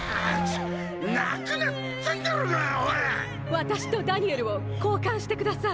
私とダニエルを交換してください。